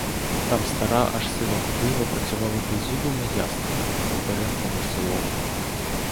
Там стара, аж сива кобила працювала беззубими яснами над оберемком соломи.